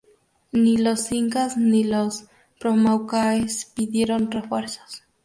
Ni los incas ni los promaucaes pidieron refuerzos.